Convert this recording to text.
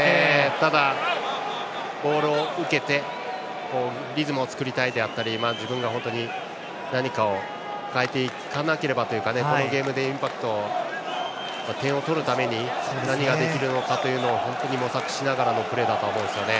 ただ、ボールを受けてリズムを作りたいであったり自分が何かを変えていかなければというかこのゲームでインパクトを点を取るために何ができるのかを本当に模索しながらのプレーだと思うんですよね。